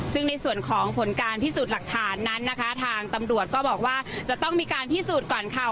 ซึ่งในส่วนของผลการพิสูจน์หลักฐานนั้นนะคะทางตำรวจก็บอกว่าจะต้องมีการพิสูจน์ก่อนค่ะ